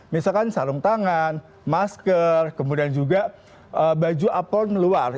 misalkan sarung tangan masker kemudian juga baju apron luar